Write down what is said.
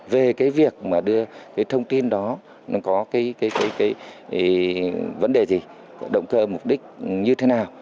về cái việc mà đưa cái thông tin đó nó có cái vấn đề gì động cơ mục đích như thế nào